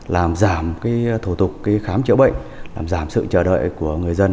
làm giảm thủ tục khám chữa bệnh làm giảm sự chờ đợi của người dân